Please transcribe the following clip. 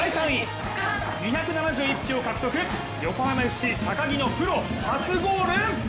２７１票獲得、横浜ＦＣ・高木のプロ初ゴール。